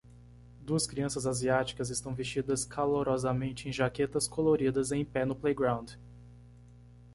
Duas crianças asiáticas estão vestidas calorosamente em jaquetas coloridas em pé no playground